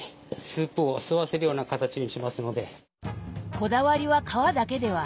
こだわりは皮だけではありません。